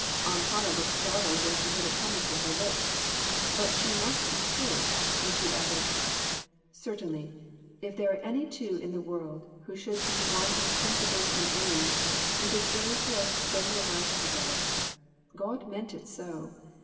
Aunt Hannah looked startled when she heard it coming from her lips ; but she must be true, and she added "Certainly; if there are any two in the world who should be one in principles and aims, it is those who are to spend their lives together. God meant it so.